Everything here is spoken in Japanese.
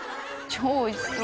超おいしそう。